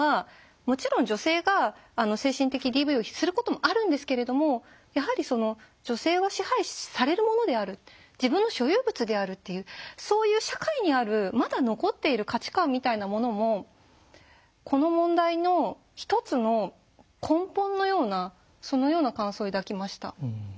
もちろん女性が精神的ＤＶをすることもあるんですけれどもやはり女性は支配されるものである自分の所有物であるっていうそういう社会にあるまだ残っている価値観みたいなものもこの問題の一つの根本のようなそのような感想を抱きました。